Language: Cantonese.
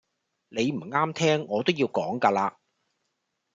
你唔啱聽我都要講㗎喇